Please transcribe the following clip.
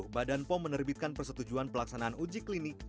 badan pom menerbitkan persetujuan pelaksanaan uji klinik